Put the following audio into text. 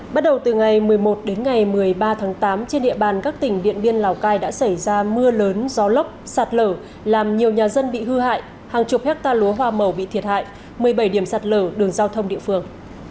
bắt đầu từ ngày một mươi một đến ngày một mươi ba tháng tám trên địa bàn các tỉnh điện biên lào cai đã xảy ra mưa lớn gió lốc sạt lở làm nhiều nhà dân bị hư hại hàng chục hectare lúa hoa màu bị thiệt hại một mươi bảy điểm sạt lở đường giao thông địa phương